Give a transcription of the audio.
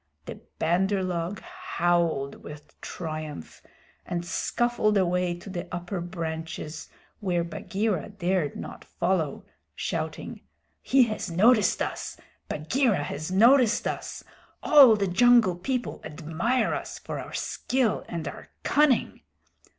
The Bandar log howled with triumph and scuffled away to the upper branches where Bagheera dared not follow, shouting: "He has noticed us! Bagheera has noticed us. All the Jungle People admire us for our skill and our cunning."